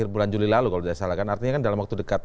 bulan juli lalu kalau tidak salah kan artinya kan dalam waktu dekat